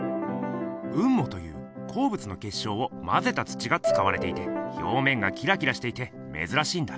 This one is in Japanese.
雲母という鉱物の結晶をまぜた土がつかわれていて表面がキラキラしていてめずらしいんだ。